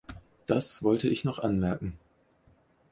Das wollte ich noch anmerken.